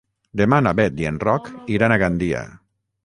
Demà na Bet i en Roc iran a Gandia.